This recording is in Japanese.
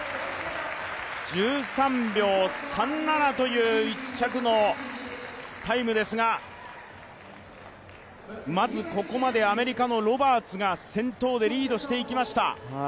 １３秒３７という１着のタイムですがまずここまでアメリカのロバーツが先頭でリードしていきました。